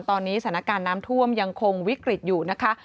ตอนนี้สถานการณ์น้ำท่วมยังคงวิกฤตอยู่นะคะ